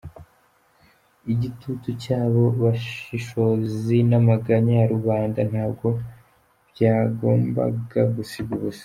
Igitutu cyabo bashishozi n’ amaganya ya rubanda ntabwo byagombaga gusiga ubusa.